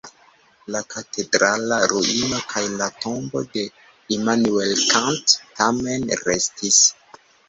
La katedrala ruino kaj la tombo de Immanuel Kant tamen restis.